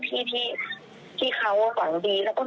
แต่ตามเขาไปกีลักษณ์